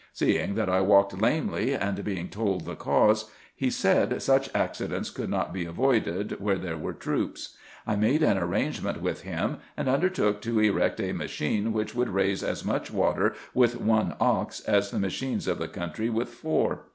Seeing that I walked lamely, and being told the cause, he said, such accidents could not be avoided where there were troops. I made an arrangement with him, and undertook to erect a machine, which would raise as much water with one ox, as the machines of the country with four.